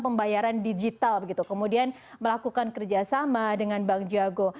pembayaran digital begitu kemudian melakukan kerjasama dengan bank jago